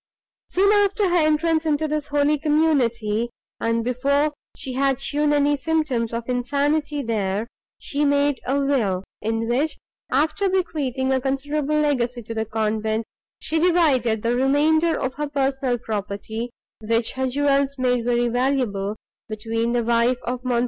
Soon after her entrance into this holy community, and before she had shown any symptoms of insanity there, she made a will, in which, after bequeathing a considerable legacy to the convent, she divided the remainder of her personal property, which her jewels made very valuable, between the wife of Mons.